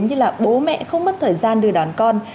như là bố mẹ không mất thời gian đưa đón con